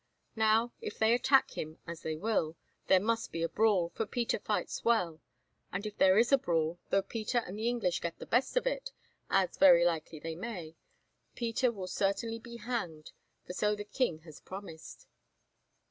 Now, if they attack him, as they will, there must be a brawl, for Peter fights well, and if there is a brawl, though Peter and the English get the best of it, as very likely they may, Peter will certainly be hanged, for so the King has promised."